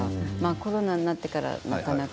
コロナになってからは、なかなか。